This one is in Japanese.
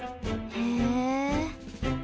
へえ！